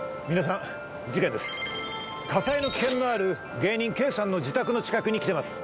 火災の危険のある芸人Ｋさんの自宅の近くに来ています。